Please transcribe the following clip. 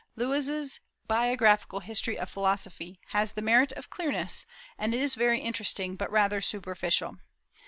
Lewes's Biographical History of Philosophy has the merit of clearness, and is very interesting, but rather superficial.